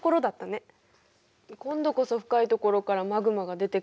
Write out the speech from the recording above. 今度こそ深いところからマグマが出てくるんだと思ってたのに。